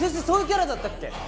そういうキャラだったっけ？